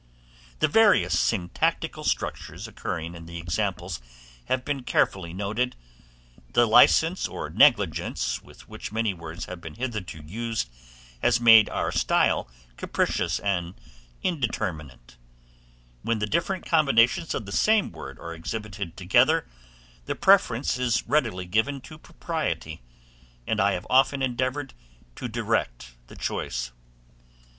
The various syntactical structures occurring in the examples have been carefully noted; the license or negligence with which many words have been hitherto used, has made our style capricious and indeterminate; when the different combinations of the same word are exhibited together, the preference is readily given to propriety, and I have often endeavored to direct the choice.